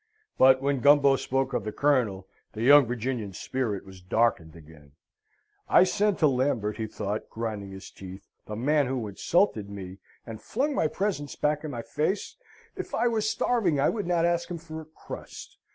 But when Gumbo spoke of the Colonel the young Virginian's spirit was darkened again. "I send to Lambert" he thought, grinding his teeth, "the man who insulted me, and flung my presents back in my face! If I were starving I would not ask him for a crust!"